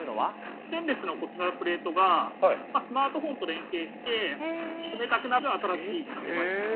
ステンレスのこちらのプレートが、スマートフォンと連携して、冷たくなる新しいデバイスです。